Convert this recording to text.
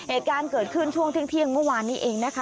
เหตุการณ์เกิดขึ้นช่วงเที่ยงเมื่อวานนี้เองนะคะ